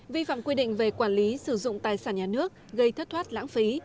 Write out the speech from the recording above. vi phạm quy định về quản lý sử dụng tài sản nhà nước gây thất thoát lãng phí